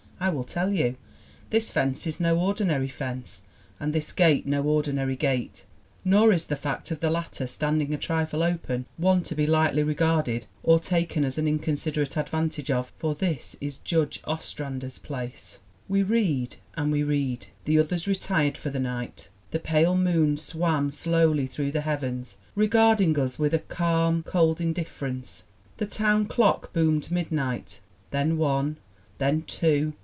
"I will tell you. "This fence is no ordinary fence, and this gate no ordinary gate; nor is the fact of the latter standing a trifle open, one to be lightly regarded or taken an in considerate advantage of. For this is Judge Os trander's place. ..." We read. And we read. The others retired for the night. The pale moon swam slowly through the heavens, regarding us with a calm, cold indifference. The town clock boomed midnight, then one, then two.